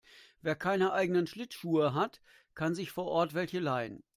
Wer keine eigenen Schlittschuhe hat, kann sich vor Ort welche leihen.